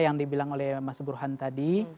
yang dibilang oleh mas burhan tadi